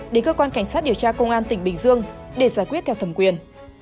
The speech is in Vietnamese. đến cơ quan cảnh sát điều tra công an tp hcm để giải quyết theo thẩm quyền